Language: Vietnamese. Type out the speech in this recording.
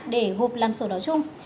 để gộp làm sổ đỏ chung